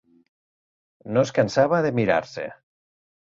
No es cansava de mirar-se.